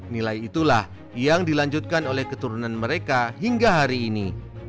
nilai itulah yang dilanjutkan oleh keturunan mereka hingga hari ini